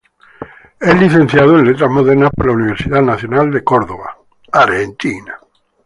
Es licenciado en Letras Modernas por la Universidad Nacional de Córdoba.